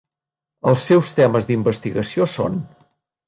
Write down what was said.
Els seus temes d'investigació són: